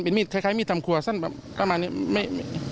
เป็นสไทยมีดทำขวาสั้นประมาณนี้